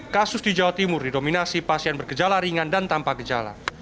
kasus di jawa timur didominasi pasien berkejala ringan dan tanpa gejala